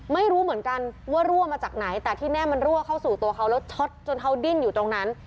ไม่รู้เหมือนกันว่ารั่วมาจากไหนแต่ที่แน่มันรั่วเข้าสู่ตัวเขาแล้วช็อตจนเขาดิ้นอยู่ตรงนั้น